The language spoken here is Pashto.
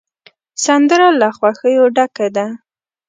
سندره له خوښیو ډکه ده